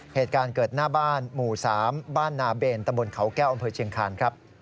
เหตุการณ์เกิดหน้าบ้านหมู่๓บ้านนาเบนตะบนเขาแก้วอำเภอเชียงคานครับ